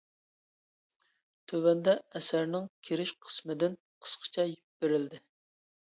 تۆۋەندە ئەسەرنىڭ كىرىش قىسمىدىن قىسقىچە بېرىلدى.